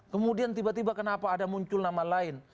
kemudian tiba tiba kenapa ada muncul nama lain